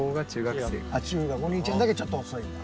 おにいちゃんだけちょっと遅いんだ。